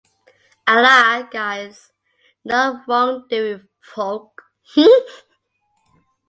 Allah guides not wrongdoing folk.